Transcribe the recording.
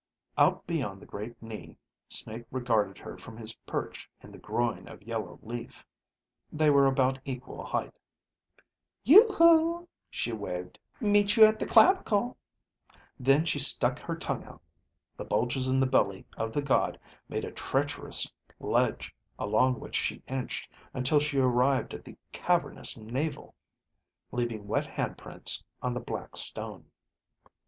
Out beyond the great knee, Snake regarded her from his perch in the groin of yellow leaf. They were about equal height. "Yoo hoo," she waved. "Meet you at the clavicle." Then she stuck her tongue out. The bulges in the belly of the god made a treacherous ledge along which she inched until she arrived at the cavernous naval, leaving wet handprints on the black stone.